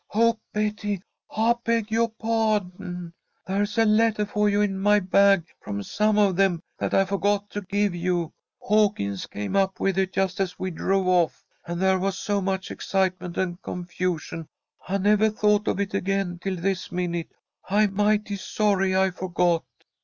"Oh, Betty, I beg yoah pah'don. There's a lettah for you in my bag from some of them that I forgot to give you. Hawkins came up with it just as we drove off, and there was so much excitement and confusion I nevah thought of it again till this minute. I'm mighty sorry I forgot."